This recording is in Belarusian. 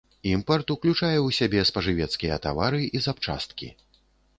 Імпарт ўключае ў сябе спажывецкія тавары і запчасткі.